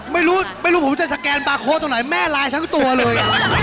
ไม่รู้ผมจะสแกนลายของบ้านโปรซอุ่นไหนแม่รายทั้งตัวเลย